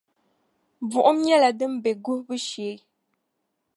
Buɣum nyɛla din be guhibu shee.